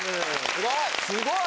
すごい！